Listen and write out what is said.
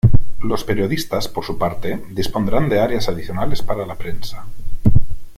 Los periodistas, por su parte, dispondrán de áreas adicionales para la prensa.